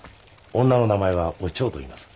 女の名前はお蝶といいます。